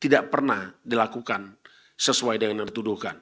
tidak pernah dilakukan sesuai dengan yang dituduhkan